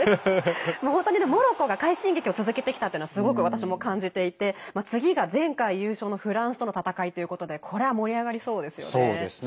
本当にモロッコが快進撃を続けてきたというのはすごく私も感じていて次が前回、優勝のフランスとの戦いということでこれは盛り上がりそうですよね。